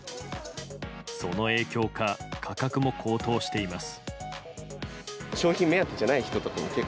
その影響か価格も高騰しています。